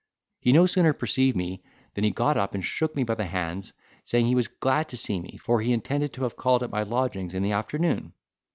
He no sooner perceived me than he got up and shook me by the hands saying, he was glad to see me, for he intended to have called at my lodgings in the afternoon.